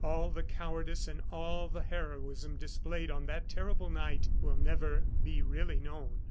All the cowardice and all the heroism displayed on that terrible night will never be really known.